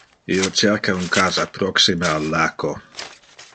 Io cerca un casa proxime al laco.